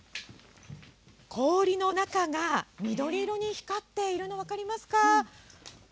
氷の中が緑色に光っているの、分かりますか？